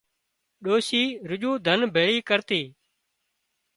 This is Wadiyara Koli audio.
ڏوشي رُڄون ڌن ڀيۯون ڪرتي